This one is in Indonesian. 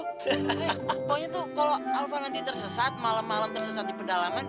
pokoknya tuh kalo alfa nanti tersesat malem malem tersesat di pedalaman